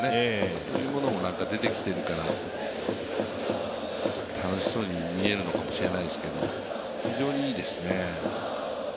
そういうものも出てきているから、楽しそうに見えるのかもしれないですけど、非常にいいですね。